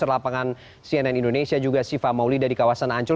terus terlapangan cnn indonesia juga siva mauli dari kawasan ancul